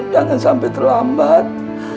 jangan sampai terlambat